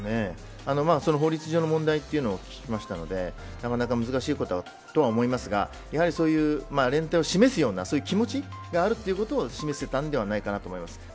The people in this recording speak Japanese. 法律上の問題は聞きましたのでなかなか難しいこととは思いますがやはり連帯を示すような気持ちがあるということを示したのではないかなと思います。